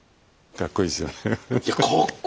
かっこいいですよ。